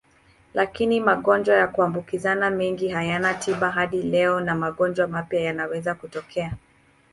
Lakini magonjwa ya kuambukizwa mengine hayana tiba hadi leo na magonjwa mapya yanaweza kutokea.